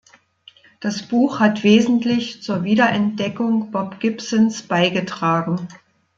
Das Buch hat wesentlich zur Wiederentdeckung Bob Gibsons beigetragen.